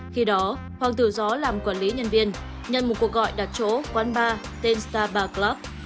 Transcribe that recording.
khi đó hoàng tử gió làm quản lý nhân viên nhận một cuộc gọi đặt chỗ quán bar tên star ba club